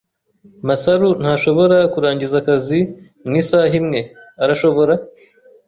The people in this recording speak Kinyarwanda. Masaru ntashobora kurangiza akazi mu isaha imwe, arashobora?